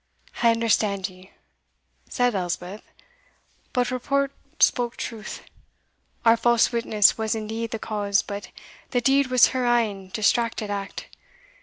"I understand you," said Elspeth. "But report spoke truth; our false witness was indeed the cause, but the deed was her ain distracted act.